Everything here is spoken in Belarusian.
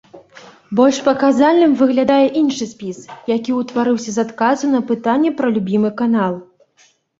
Больш паказальным выглядае іншы спіс, які ўтварыўся з адказаў на пытанне пра любімы канал.